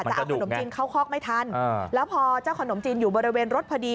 จะเอาขนมจีนเข้าคอกไม่ทันแล้วพอเจ้าขนมจีนอยู่บริเวณรถพอดี